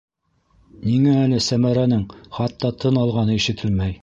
Ниңә әле Сәмәрәнең хатта тын алғаны ишетелмәй?!